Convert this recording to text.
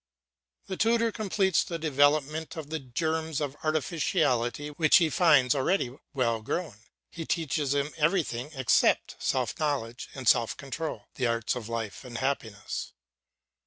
The tutor completes the development of the germs of artificiality which he finds already well grown, he teaches him everything except self knowledge and self control, the arts of life and happiness.